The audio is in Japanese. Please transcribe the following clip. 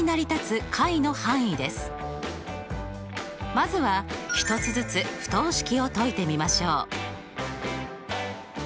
まずは１つずつ不等式を解いてみましょう。